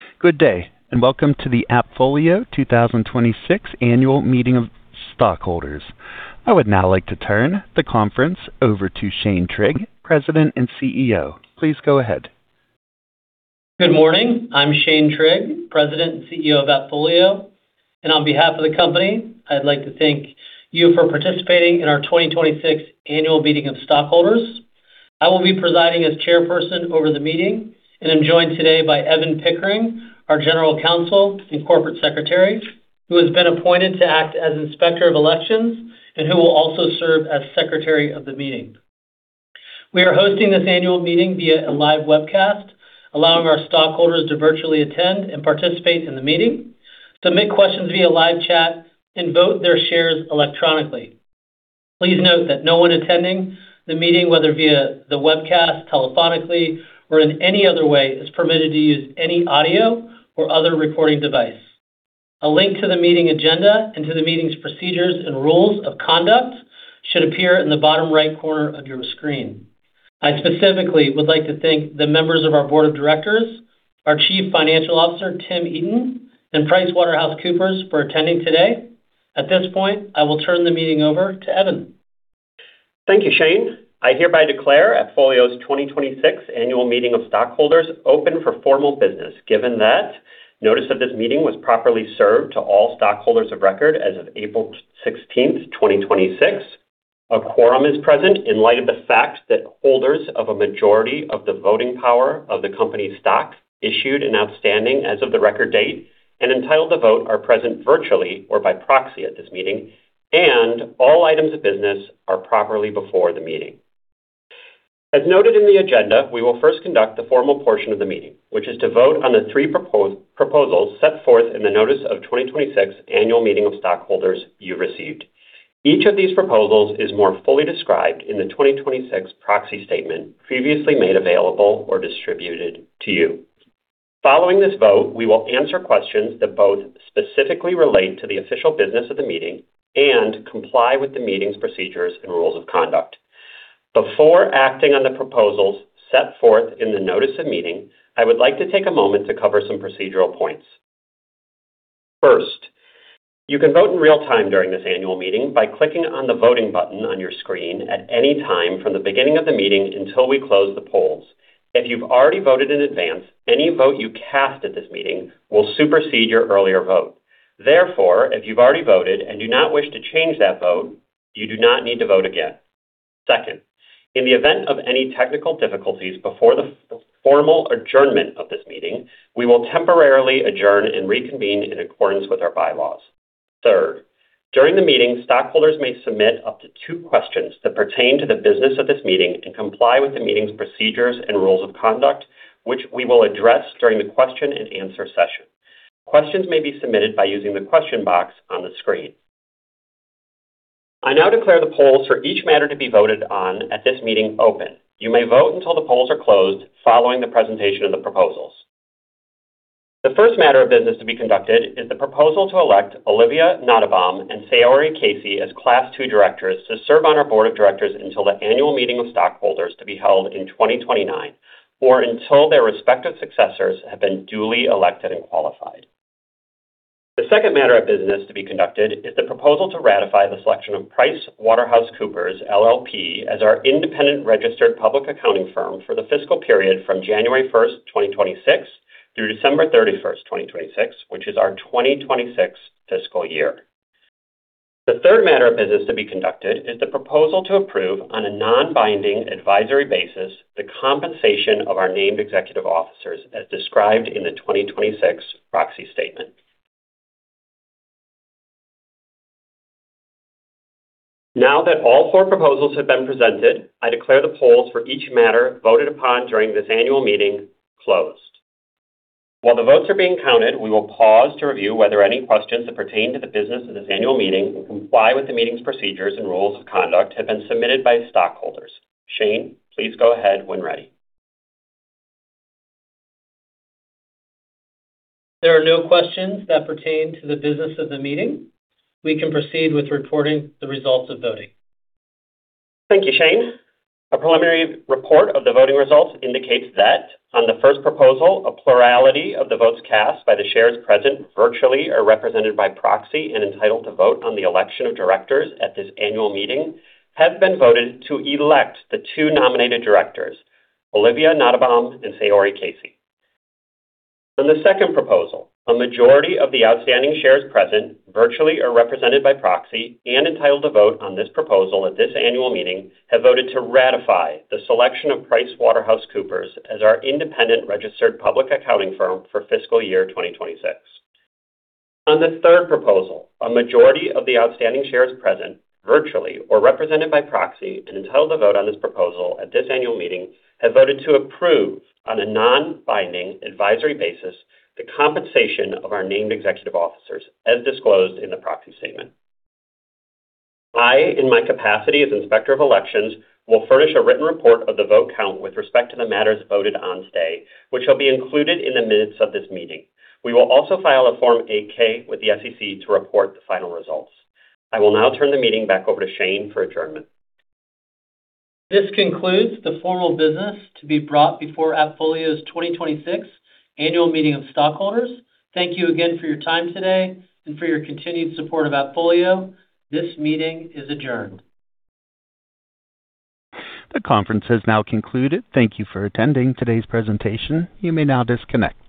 Good day. Welcome to the AppFolio 2026 Annual Meeting of Stockholders. I would now like to turn the conference over to Shane Trigg, President and CEO. Please go ahead. Good morning. I'm Shane Trigg, President and CEO of AppFolio. On behalf of the company, I'd like to thank you for participating in our 2026 Annual Meeting of Stockholders. I will be presiding as chairperson over the meeting and am joined today by Evan Pickering, our General Counsel and Corporate Secretary, who has been appointed to act as Inspector of Elections and who will also serve as secretary of the meeting. We are hosting this annual meeting via a live webcast, allowing our stockholders to virtually attend and participate in the meeting, submit questions via live chat, and vote their shares electronically. Please note that no one attending the meeting, whether via the webcast, telephonically, or in any other way, is permitted to use any audio or other recording device. A link to the meeting agenda and to the meeting's procedures and rules of conduct should appear in the bottom right corner of your screen. I specifically would like to thank the members of our board of directors, our Chief Financial Officer, Tim Eaton, and PricewaterhouseCoopers for attending today. At this point, I will turn the meeting over to Evan. Thank you, Shane. I hereby declare AppFolio's 2026 Annual Meeting of Stockholders open for formal business, given that notice of this meeting was properly served to all stockholders of record as of April 16th, 2026. A quorum is present in light of the fact that holders of a majority of the voting power of the company's stock, issued and outstanding as of the record date and entitled to vote, are present virtually or by proxy at this meeting, and all items of business are properly before the meeting. As noted in the agenda, we will first conduct the formal portion of the meeting, which is to vote on the three proposals set forth in the notice of 2026 Annual Meeting of Stockholders you received. Each of these proposals is more fully described in the 2026 proxy statement previously made available or distributed to you. Following this vote, we will answer questions that both specifically relate to the official business of the meeting and comply with the meeting's procedures and rules of conduct. Before acting on the proposals set forth in the notice of meeting, I would like to take a moment to cover some procedural points. First, you can vote in real time during this annual meeting by clicking on the voting button on your screen at any time from the beginning of the meeting until we close the polls. If you've already voted in advance, any vote you cast at this meeting will supersede your earlier vote. Therefore, if you've already voted and do not wish to change that vote, you do not need to vote again. Second, in the event of any technical difficulties before the formal adjournment of this meeting, we will temporarily adjourn and reconvene in accordance with our bylaws. Third, during the meeting, stockholders may submit up to two questions that pertain to the business of this meeting and comply with the meeting's procedures and rules of conduct, which we will address during the question and answer session. Questions may be submitted by using the question box on the screen. I now declare the polls for each matter to be voted on at this meeting open. You may vote until the polls are closed following the presentation of the proposals. The first matter of business to be conducted is the proposal to elect Olivia Nottebohm and Saori Casey as Class II directors to serve on our board of directors until the annual meeting of stockholders to be held in 2029, or until their respective successors have been duly elected and qualified. The second matter of business to be conducted is the proposal to ratify the selection of PricewaterhouseCoopers, LLP as our independent registered public accounting firm for the fiscal period from January 1st, 2026 through December 31st, 2026, which is our 2026 fiscal year. The third matter of business to be conducted is the proposal to approve, on a non-binding advisory basis, the compensation of our named executive officers as described in the 2026 proxy statement. Now that all four proposals have been presented, I declare the polls for each matter voted upon during this annual meeting closed. While the votes are being counted, we will pause to review whether any questions that pertain to the business of this annual meeting and comply with the meeting's procedures and rules of conduct have been submitted by stockholders. Shane, please go ahead when ready. There are no questions that pertain to the business of the meeting. We can proceed with reporting the results of voting. Thank you, Shane. A preliminary report of the voting results indicates that on the first proposal, a plurality of the votes cast by the shares present virtually are represented by proxy and entitled to vote on the election of directors at this annual meeting have been voted to elect the two nominated directors, Olivia Nottebohm and Saori Casey. On the second proposal, a majority of the outstanding shares present virtually are represented by proxy and entitled to vote on this proposal at this annual meeting have voted to ratify the selection of PricewaterhouseCoopers as our independent registered public accounting firm for fiscal year 2026. On the third proposal, a majority of the outstanding shares present virtually or represented by proxy and entitled to vote on this proposal at this annual meeting have voted to approve, on a non-binding advisory basis, the compensation of our named executive officers as disclosed in the proxy statement. I, in my capacity as Inspector of Elections, will furnish a written report of the vote count with respect to the matters voted on today, which will be included in the minutes of this meeting. We will also file a Form 8-K with the SEC to report the final results. I will now turn the meeting back over to Shane for adjournment. This concludes the formal business to be brought before AppFolio's 2026 Annual Meeting of Stockholders. Thank you again for your time today and for your continued support of AppFolio. This meeting is adjourned. The conference has now concluded. Thank you for attending today's presentation. You may now disconnect.